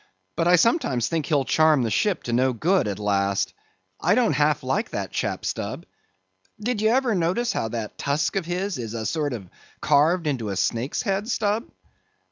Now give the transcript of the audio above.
But I sometimes think he'll charm the ship to no good at last. I don't half like that chap, Stubb. Did you ever notice how that tusk of his is a sort of carved into a snake's head, Stubb?"